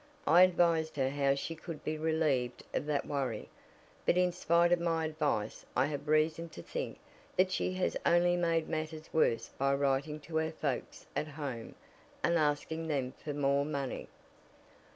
I advised her how she could be relieved of that worry, but in spite of my advice I have reason to think that she has only made matters worse by writing to her folks at home and asking them for more money."